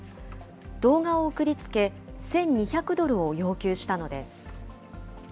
動画を送り付け、１２００ドルを要求したのです。